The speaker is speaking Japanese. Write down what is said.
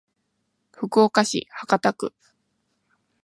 福岡市博多区